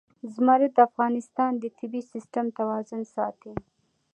زمرد د افغانستان د طبعي سیسټم توازن ساتي.